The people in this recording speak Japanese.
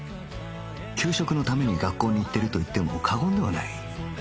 給食のために学校に行っていると言っても過言ではない